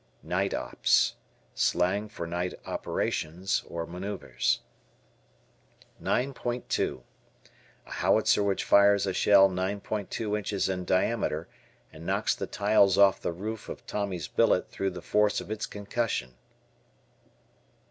"Night ops." Slang for night operations or maneuvers. Nine point two. A howitzer which fires a shell 9.2 inches in diameter, and knocks the tiles off the roof of Tommy's billet through the force of its concussion.